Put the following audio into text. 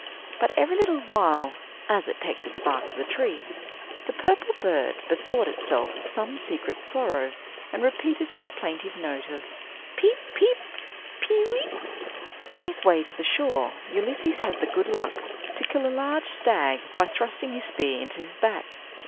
But every little while, as it pecked at the bark of the tree, the purple bird bethought itself of some secret sorrow, and repeated its plaintive note of "Peep, peep, pe weep!" On his way to the shore, Ulysses had the good luck to kill a large stag by thrusting his spear into his back.